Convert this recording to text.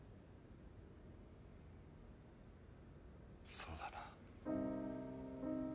そうだな。